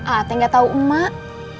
ate gak tau emak